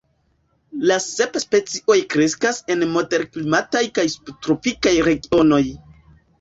La sep specioj kreskas en moderklimataj kaj subtropikaj regionoj.